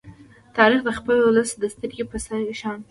تاریخ د خپل ولس د سترگې په شان دی.